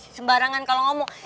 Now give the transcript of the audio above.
sembarangan kalau ngomong